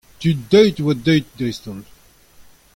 tud deuet a oa deuet dreist-holl.